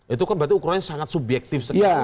itu kan berarti ukurannya sangat subjektif sekali